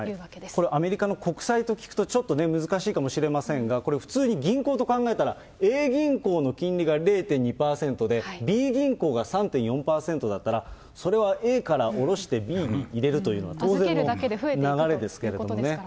これアメリカの国債と聞くとちょっと難しいかもしれませんが、これ、普通に銀行と考えたら、Ａ銀行の金利が０．２％で、Ｂ銀行が３．４％だったら、それはＡから下ろしてＢに入れるというのは当然の流れですけどね。